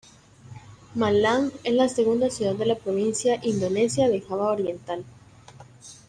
Malang es la segunda ciudad de la provincia indonesia de Java Oriental.